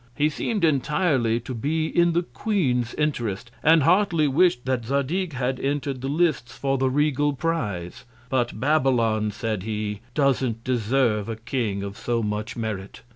He seem'd entirely to be in the Queen's Interest, and heartily wish'd that Zadig had entred the Lists for the regal Prize: But Babylon, said he, don't deserve a King of so much Merit.